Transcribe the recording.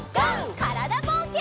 からだぼうけん。